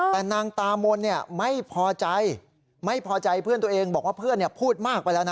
แต่นางตามนไม่พอใจไม่พอใจเพื่อนตัวเองบอกว่าเพื่อนพูดมากไปแล้วนะ